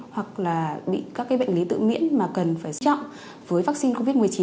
hoặc là bị các bệnh lý tự miễn mà cần phải chọn với vaccine covid một mươi chín